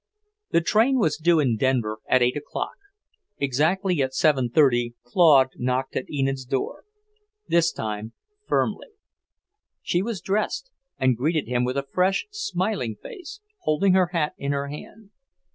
The train was due in Denver at eight o'clock. Exactly at seven thirty Claude knocked at Enid's door, this time firmly. She was dressed, and greeted him with a fresh, smiling face, holding her hat in her hand.